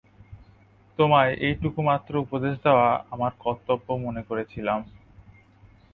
তোমায় এইটুকু মাত্র উপদেশ দেওয়া আমার কর্তব্য মনে করেছিলাম।